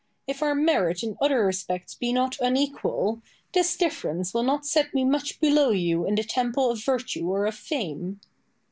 If our merit in other respects be not unequal, this difference will not set me much below you in the temple of virtue or of fame.